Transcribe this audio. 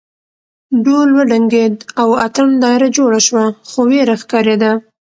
ډول وډنګېد او اتڼ دایره جوړه شوه خو وېره ښکارېده.